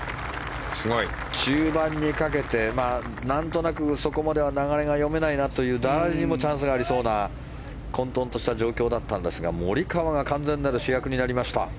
中盤にかけてなんとなくそこまでは流れが読めないなという誰にもチャンスがありそうな混とんとした状況だったんですがモリカワが完全なる主役になりました。